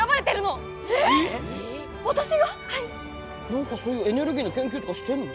何かそういうエネルギーの研究とかしてるの？